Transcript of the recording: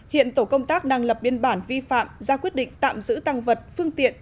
hiện tổ công tác đang lập biên bản vi phạm ra quyết định tạm giữ tăng vật phương tiện